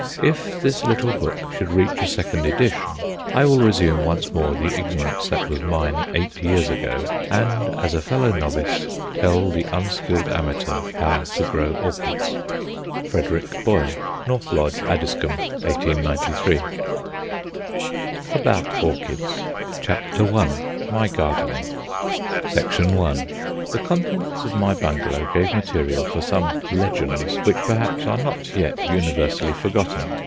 If this little book should reach a second edition, I will resume once more the ignorance that was mine eight years ago, and as a fellow novice tell the unskilled amateur how to grow orchids. FREDERICK BOYLE. North Lodge, Addiscombe, 1893. ABOUT ORCHIDS. MY GARDENING. I. The contents of my Bungalow gave material for some "Legends" which perhaps are not yet universally forgotten.